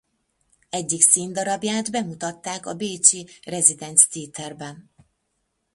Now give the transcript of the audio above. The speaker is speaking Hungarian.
Egyik színdarabját bemutatták a bécsi Residenz-Theaterben.